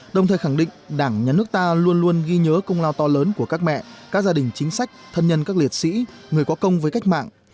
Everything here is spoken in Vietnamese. đồng thời khẳng định đảng nhà nước ta luôn luôn ghi nhớ công lao to lớn của các mẹ các gia đình chính sách thân nhân các liệt sĩ người có công với cách mạng